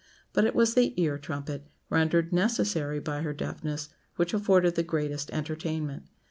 But it was the ear trumpet, rendered necessary by her deafness, which afforded the greatest entertainment.